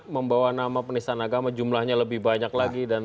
membawa nama penistaan agama jumlahnya lebih banyak lagi